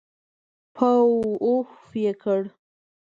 پووووووفففف یې کړ.